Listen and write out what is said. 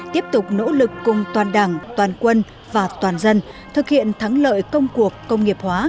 tiếp tục nỗ lực cùng toàn đảng toàn quân và toàn dân thực hiện thắng lợi công cuộc công nghiệp hóa